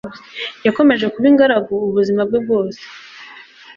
yakomeje kuba ingaragu ubuzima bwe bwose